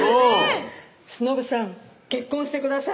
「忍さん結婚してください」